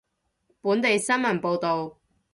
本地新聞報道